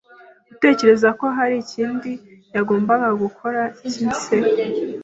gutekereza ko hari ikindi yagombaga gukora kimseho.